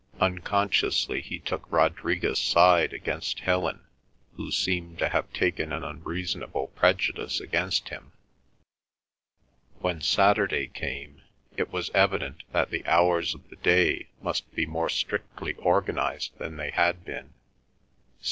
Unconsciously he took Rodriguez' side against Helen, who seemed to have taken an unreasonable prejudice against him. When Saturday came it was evident that the hours of the day must be more strictly organised than they had been. St.